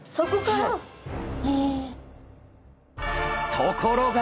ところが！